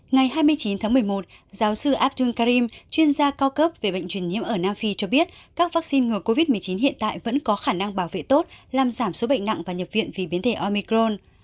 ngày hai mươi chín tháng một mươi một giáo sư abdul karim chuyên gia co cấp về bệnh truyền nhiễm ở nam phi cho biết các vaccine ngừa covid một mươi chín hiện tại vẫn có khả năng bảo vệ tốt làm giảm số bệnh nặng và nhập viện vì biến thể omicron